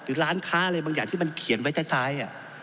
หรือร้านค้าอะไรบางอย่างที่มันเขียนไว้ใต้ท้ายอ่ะ